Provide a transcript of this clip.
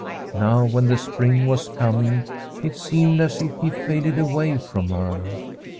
Now, when the spring was coming, it seemed as if he faded away from her.